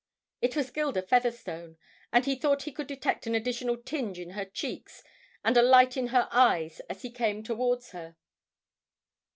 It was Gilda Featherstone, and he thought he could detect an additional tinge in her cheeks and a light in her eyes as he came towards her.